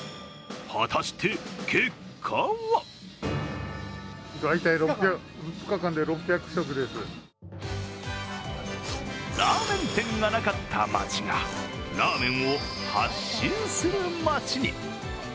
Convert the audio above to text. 果たして結果はラーメン店がなかった町がラーメンを発信する町に。